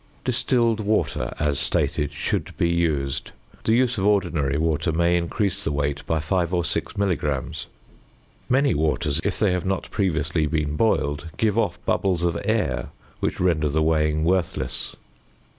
Distilled water, as stated, should be used; the use of ordinary water may increase the weight by 5 or 6 milligrams. Many waters, if they have not previously been boiled, give off bubbles of air which render the weighing worthless.